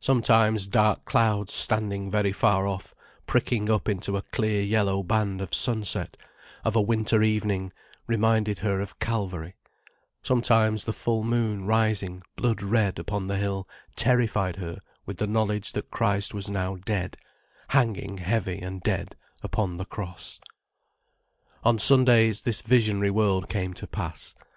Sometimes dark clouds standing very far off, pricking up into a clear yellow band of sunset, of a winter evening, reminded her of Calvary, sometimes the full moon rising blood red upon the hill terrified her with the knowledge that Christ was now dead, hanging heavy and dead upon the Cross. On Sundays, this visionary world came to pass.